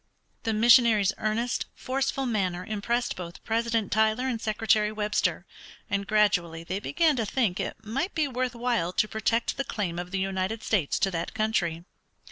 The missionary's earnest, forceful manner impressed both President Tyler and Secretary Webster, and gradually they began to think it might be worth while to protect the claim of the United States to that country.